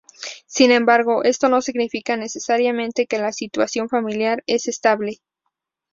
Sin embargo, esto no significa necesariamente que la situación familiar es estable.